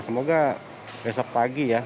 semoga besok pagi ya